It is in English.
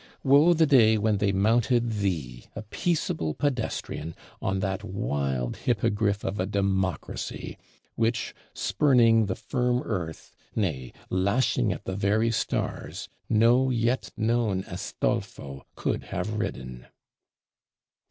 Woe the day when they mounted thee, a peaceable pedestrian, on that wild Hippogriff of a Democracy, which, spurning the firm earth, nay, lashing at the very stars, no yet known Astolpho could have ridden!